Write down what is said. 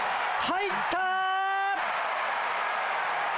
入った！